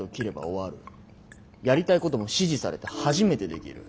やりたいことも支持されて初めてできる。